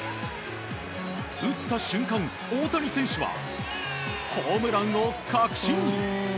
打った瞬間、大谷選手はホームランを確信。